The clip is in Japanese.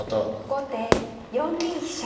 後手４二飛車。